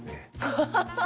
ハハハハ！